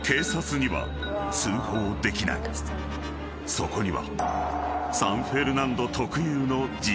［そこには］